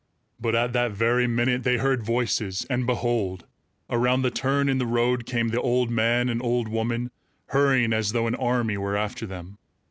But at that very minute they heard voices, and behold! around the turn in the road came the old man and old woman, hurrying as though an army were after them.